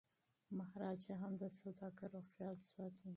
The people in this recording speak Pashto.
مهاراجا هم د سوداګرو خیال ساتي.